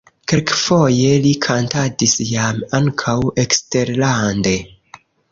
Kelkfoje li kantadis jam ankaŭ eksterlande.